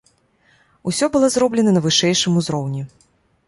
Усё было зроблена на вышэйшым узроўні.